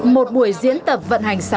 một buổi diễn tập vận hành xả lũ